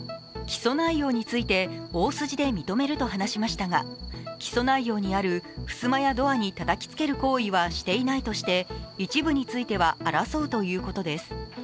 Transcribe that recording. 起訴内容について大筋で認めると話しましたが起訴内容にある、ふすまやドアにたたきつける行為はしていないとして一部については争うということです。